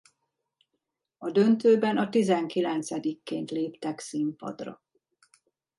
A döntőben a tizenkilencedikként léptek színpadra.